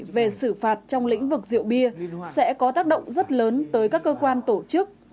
về xử phạt trong lĩnh vực rượu bia sẽ có tác động rất lớn tới các cơ quan tổ chức